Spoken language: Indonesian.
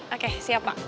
oke siap pak